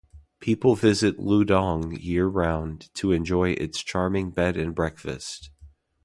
People visit Luodong year-round to enjoy its charming bed and breakfasts.